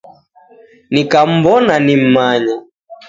Nikamuw'ona nim'manya